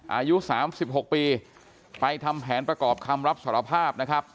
อายุ๓๖ปีไปทำแผนประกอบคำรับสารภาพนะครับ